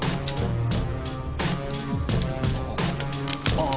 ああ。